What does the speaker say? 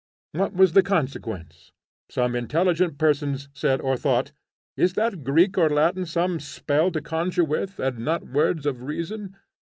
What was the consequence? Some intelligent persons said or thought, 'Is that Greek and Latin some spell to conjure with, and not words of reason?